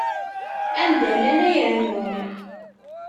Anda llan, ay rennun.